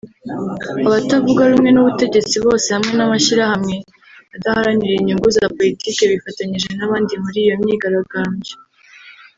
Abatavuga rumwe n’ubutegetsi bose hamwe n’amashyirahamwe adaharanira inyungu za politike bifatanyije n’abandi mur’iyo myigaragambyo